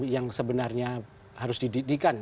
yang sebenarnya harus dididik